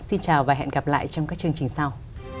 xin chào và hẹn gặp lại trong các chương trình sau